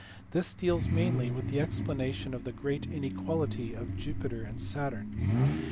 This deals mainly with the explanation of the " great inequality" of Jupiter and Saturn.